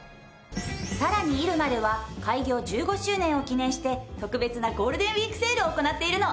さらに入間では開業１５周年を記念して特別なゴールデンウィークセールを行っているの。